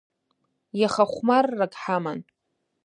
Иаха хәмаррак ҳаман.